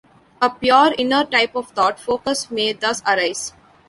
A pure, inner type of thought focus may thus arise.